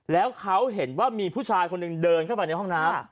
แล้วเขาเห็นว่ามีผู้ชายคนหนึ่งเดินเข้าไปในห้องน้ำ